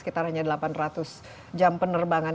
sekitar hanya delapan ratus jam penerbangan